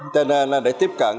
cho nên là để tiếp cận